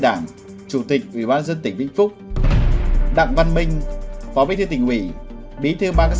đảng chủ tịch ủy ban dân tỉnh vĩnh phúc đặng văn minh phó bí thư tỉnh ủy bí thư bang các